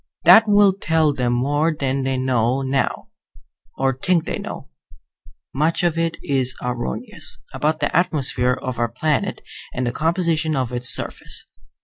That will tell them more than they know now (or think they know; much of it is erroneous) about the atmosphere of our planet and the composition of its surface.